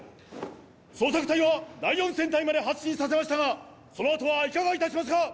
捜索隊は第四戦隊まで発進させましたがそのあとはいかがいたしますか？